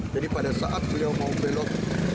jadi pada saat beliau mau belok